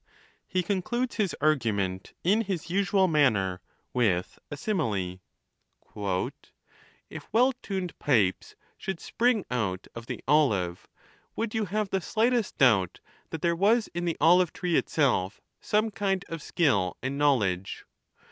He concludes his argument in his usual manner with a simile :" If well tuned pipes should spring out of the olive, would you have the slightest doubt that there was in the olive tree itself some kind of skill and knowledge